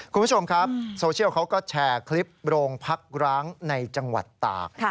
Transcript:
คุณผู้ชมครับโซเชียลเขาก็แชร์คลิปโรงพักร้างในจังหวัดตาก